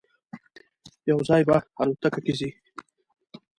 یو ځای به الوتکه کې ځی.